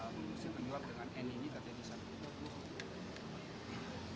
kara musim penyuap dengan n ini katanya di sana